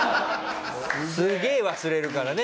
すげえ忘れるからね